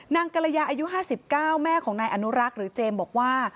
นางกะระยะอายุห้าสิบเก้าแม่ของนายอนุรักษ์หรือเจมส์บอกว่า